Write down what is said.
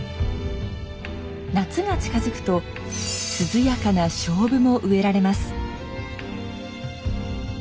夏が近づくと涼やかな菖蒲も植えられます。